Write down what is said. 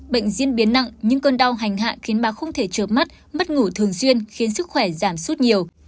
bệnh diễn biến nặng những cơn đau hành hạ khiến bà không thể trượt mắt mất ngủ thường xuyên khiến sức khỏe giảm suốt nhiều